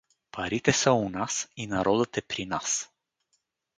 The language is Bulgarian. Парите са у нас и народът е при нас.